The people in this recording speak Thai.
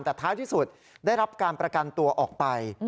แต่ท้ายที่สุดได้รับการประกันตัวออกไป